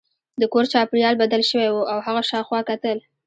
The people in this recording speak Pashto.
د کور چاپیریال بدل شوی و او هغه شاوخوا کتل